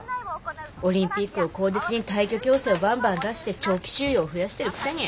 オリンピックを口実に退去強制をバンバン出して長期収容を増やしてるくせに。